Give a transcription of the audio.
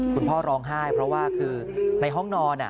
คุณพ่อร้องไห้เพราะว่าคือในห้องนอน